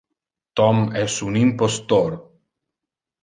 Tom es un impostor.